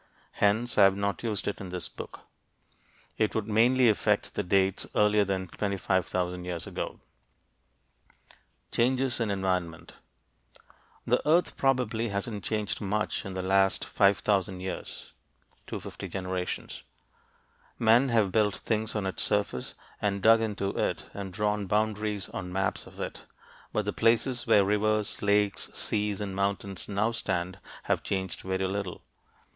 Hence, I have not used it in this book; it would mainly affect the dates earlier than 25,000 years ago. CHANGES IN ENVIRONMENT The earth probably hasn't changed much in the last 5,000 years (250 generations). Men have built things on its surface and dug into it and drawn boundaries on maps of it, but the places where rivers, lakes, seas, and mountains now stand have changed very little.